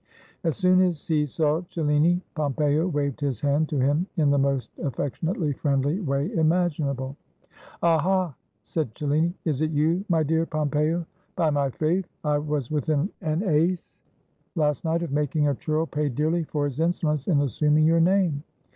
As soon as he saw Celhni, Pompeo waved his hand to him in the most affectionately friendly way imaginable. "Aha!" said Cellini, "is it you, my dear Pompeo? By my faith! I was within an ace last night of making a churl pay dearly for his insolence in assuming your name."